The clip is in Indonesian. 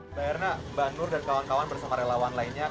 mbak erna mbak nur dan kawan kawan bersama relawan lainnya